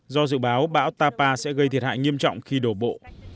do dự báo bão tapa sẽ gây thiệt hại nghiêm trọng khi đổ bộ